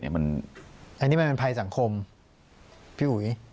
อันนี้มันเป็นภัยสังคมพี่อุ๋ย